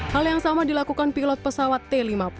hal yang sama dilakukan pilot pesawat t lima puluh